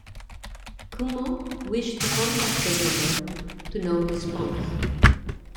Cuomo wished to contact the woman, to no response.